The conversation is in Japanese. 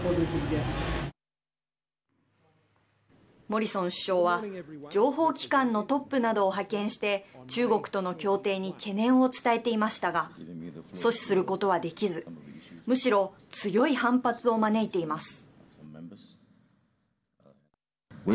モリソン首相は情報機関のトップなどを派遣して中国との協定に懸念を伝えていましたが阻止することはできずむしろ強い反発を招いています。